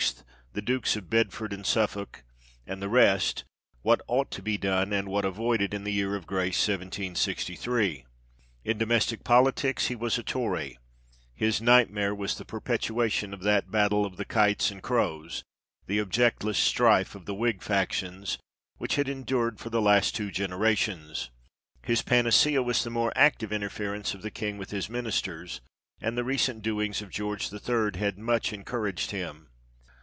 the Dukes of Bedford and Suffolk, and the rest what ought to be done and what avoided in the Year of Grace 1763. In domestic politics he was a Tory ; his nightmare was the perpetuation of that " battle of the kites and crows " the objectless strife of the Whig factions which had endured for the last two genera tions. His panacea was the more active interference of the king with his ministers, and the recent doings of George III. had much encouraged him.